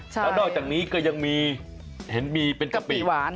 แล้วนอกจากนี้ก็ยังมีเห็นมีเป็นกะปิหวาน